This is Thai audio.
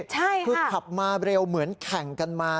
คือขับมาเร็วเหมือนแข่งกันมา